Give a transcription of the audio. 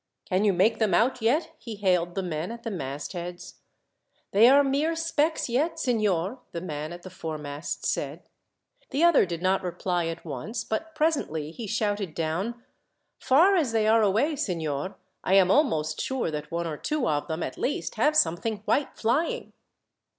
"Can you make them out, yet?" he hailed the men at the mastheads. "They are mere specks yet, signor," the man at the foremast said. The other did not reply at once, but presently he shouted down: "Far as they are away, signor, I am almost sure that one or two of them, at least, have something white flying."